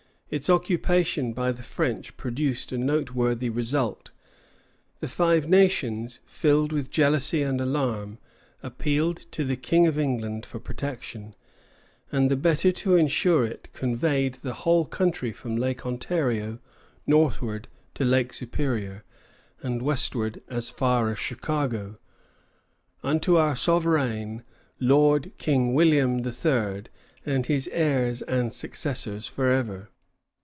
Its occupation by the French produced a noteworthy result. The Five Nations, filled with jealousy and alarm, appealed to the King of England for protection, and, the better to insure it, conveyed the whole country from Lake Ontario northward to Lake Superior, and westward as far as Chicago, "unto our souveraigne Lord King William the Third" and his heirs and successors forever.